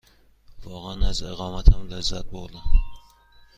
واقعاً از اقامتم لذت بردم.